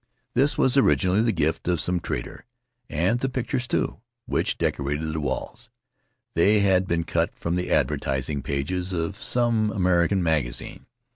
This was originally the gift of some trader; and the pictures, too, which decorated the walls. They had been cut from the advertising pages of some [ 163 ] Faery Lands of the South Seas American magazine.